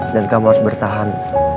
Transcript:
dan kamu harus bertahan